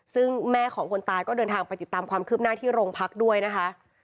ซึ่งแม่ของคนตายก็เดินทางไปติดตามความคืบหน้าที่โรงพักด้วยนะคะ